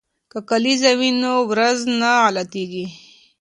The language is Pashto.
که کلیزه وي نو ورځ نه غلطیږي.